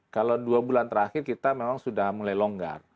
kalau dua bulan terakhir kita memang sudah mulai longgar